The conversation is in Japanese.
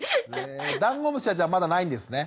ダンゴムシはじゃあまだないんですね？